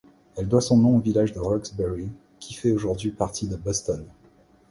Elle doit son nom au village de Roxbury, qui fait aujourd'hui partie de Boston.